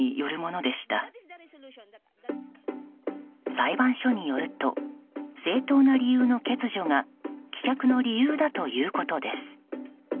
裁判所によると正当な理由の欠如が棄却の理由だということです。